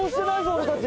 俺たち。